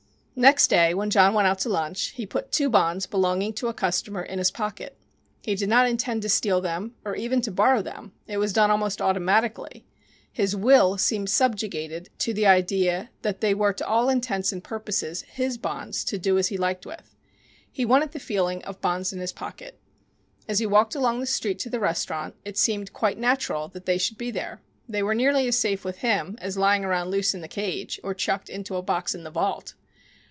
Next day when John went out to lunch he put two bonds belonging to a customer in his pocket. He did not intend to steal them or even to borrow them. It was done almost automatically. His will seemed subjugated to the idea that they were to all intents and purposes his bonds to do as he liked with. He wanted the feeling of bonds in his pocket. As he walked along the street to the restaurant, it seemed quite natural that they should be there. They were nearly as safe with him as lying around loose in the cage or chucked into a box in the vault.